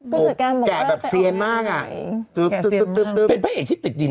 เขาเกะแบบเซียนมากพระเอกที่ติดดิน